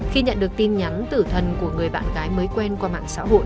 khi nhận được tin nhắn tử thần của người bạn gái mới quen qua mạng xã hội